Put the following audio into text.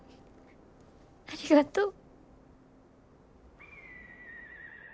ありがとう。